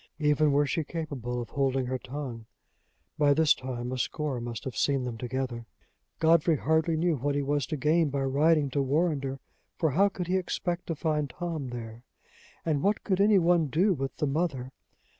Even were she capable of holding her tongue, by this time a score must have seen them together." Godfrey hardly knew what he was to gain by riding to Warrender, for how could he expect to find Tom there? and what could any one do with the mother?